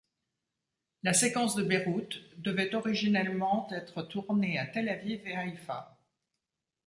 La séquence de Beyrouth devait originellement être tournée à Tel Aviv et Haïfa.